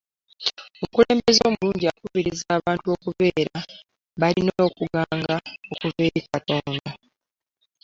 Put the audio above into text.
omukulembeze omulungi akubiriza abntu okubeera bbalina okuganga okuva eri katonda